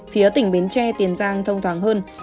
phía tỉnh bến tre tiền giang thông thoáng hơn